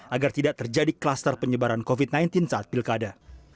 agar tidak terjadi kluster penyebaran covid sembilan belas saat pilkada